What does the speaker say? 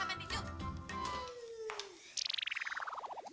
hai apa kabargnan